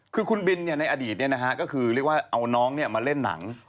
คือคุณบินในอดีตก็คือเรียกว่าเอาน้องมาเล่นหนัง